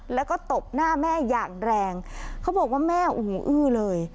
แล้วก็ตบหน้าแม่อย่างแรงเขาบอกว่าแม่โอ้โหอื้อเลย